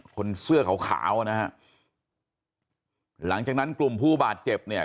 คนเสื้อขาวขาวอ่ะนะฮะหลังจากนั้นกลุ่มผู้บาดเจ็บเนี่ย